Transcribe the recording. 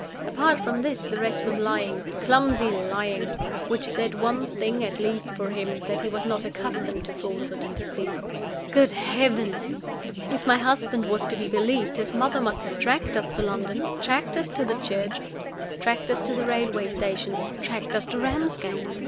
Apart from this, the rest was lying, clumsy lying, which said one thing at least for him, that he was not accustomed to falsehood and deceit. Good Heavens! if my husband was to be believed, his mother must have tracked us to London, tracked us to the church, tracked us to the railway station, tracked us to Ramsgate!